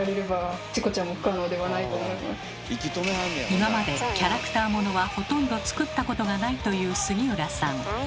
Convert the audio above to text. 今までキャラクターものはほとんど作ったことがないという杉浦さん。